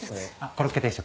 コロッケ定食。